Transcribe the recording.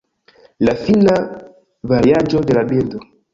La fina variaĵo de la bildo.